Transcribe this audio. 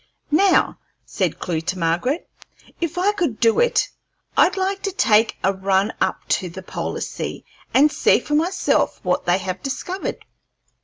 "Now," said Clewe to Margaret, "if I could do it, I'd like to take a run up to the polar sea and see for myself what they have discovered.